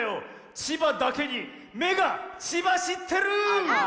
千葉だけにめがチバしってる！